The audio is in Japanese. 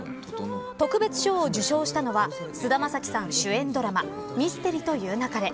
特別賞を受賞したのは菅田将暉さん主演ドラマミステリという勿れ。